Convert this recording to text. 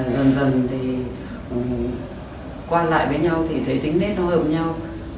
dần dần thì qua lại với nhau thì thấy tính net nó hợp nhau